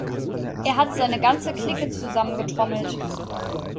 Er hat seine ganze Clique zusammengetrommelt.